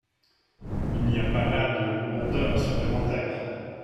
Il n’y a pas là de lourdeur supplémentaire.